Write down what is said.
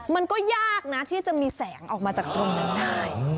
มันก็ยากนะที่จะมีแสงออกมาจากตรงนั้นได้